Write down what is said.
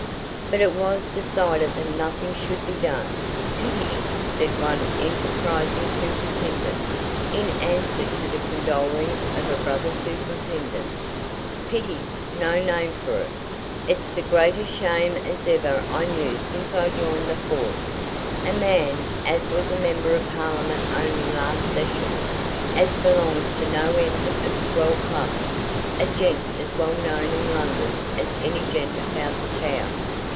But it was decided that nothing should be done. "Pity!" said one enterprising superintendent, in answer to the condolings of a brother superintendent. "Pity's no name for it. It's the greatest shame as ever I knew since I joined the force. A man as was a Member of Parliament only last Session, as belongs to no end of swell clubs, a gent as well known in London as any gent about the town!